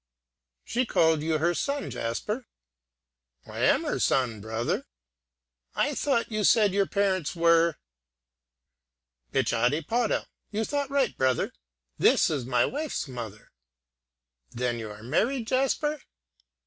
"She called you her son, Jasper?" "I am her son, brother." "I thought you said your parents were ..." "Bitchadey pawdel; you thought right, brother. This is my wife's mother." "Then you are married, Jasper?"